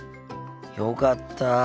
よかった。